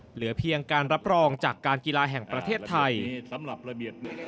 เหลือเพียงการรับรองจากการกีฬาแห่งประเทศไทย